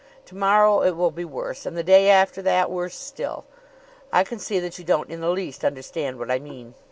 To morrow it will be worse, and the day after that worse still. I can see that you don't in the least understand what I mean."